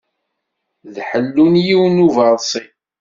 D ḥellu n yiwen n uberṣi.